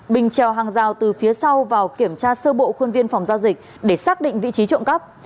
bình trèo hàng rào từ phía sau vào kiểm tra sơ bộ khuôn viên phòng giao dịch để xác định vị trí trộm cắp